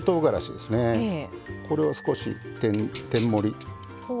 これを少し天盛り。